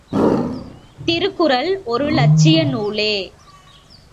திருக்குறள் ஒரு இலட்சிய நூலே!